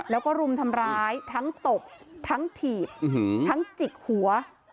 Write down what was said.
แล้วก็รุมทำร้ายทั้งตบทั้งถีบทั้งจิกหัว